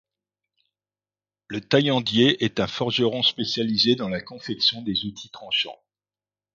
Le taillandier est un forgeron spécialisé dans la confection des outils tranchants.